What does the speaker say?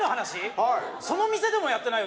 はいその店でもやってないよ